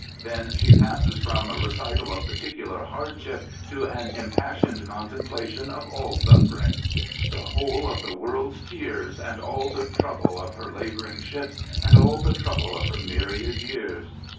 Then she passes from recital of particular hardship to an impassioned contemplation of all sufiering: '*... The whole of the world's tears, And all the trouble of her labouring ships. And all the trouble of her myriad years."